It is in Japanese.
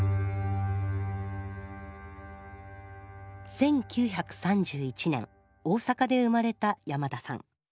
１９３１年大阪で生まれた山田さん。